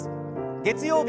月曜日